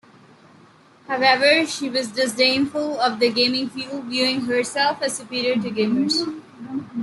However, she was disdainful of the gaming field, viewing herself as superior to gamers.